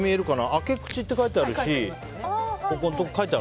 開け口って書いてあるし。